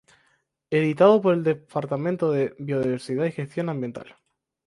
Editado por el departamento de Biodiversidad y Gestión Ambiental.